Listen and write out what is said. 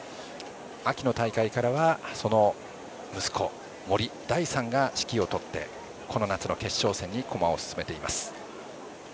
秋の大会からは息子・森大さんが指揮を執ってこの夏の決勝戦に駒を進めています。